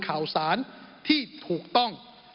ข่าวสารที่ถูกต้อง